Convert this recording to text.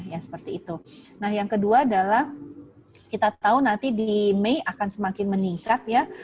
nah yang kedua adalah kita tahu nanti di mei akan semakin meningkat ya